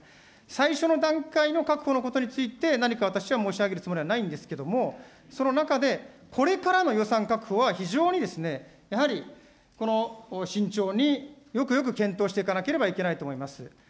最初の段階の確保のことについて、何か私は申し上げるつもりはないんですけども、その中で、これからの予算確保は非常にやはり慎重によくよく検討していかなければいけないと思います。